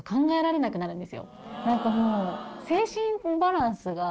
何かもう。